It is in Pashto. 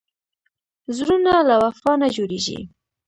زړونه له وفا نه جوړېږي.